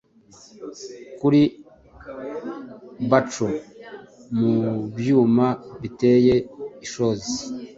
Kuri Baco mubyuma biteye ishozi,